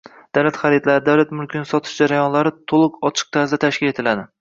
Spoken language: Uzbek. Davlat xaridlari, davlat mulkini sotish jarayonlari to‘liq ochiq tarzda tashkil etiladi